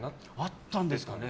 あったんですかね。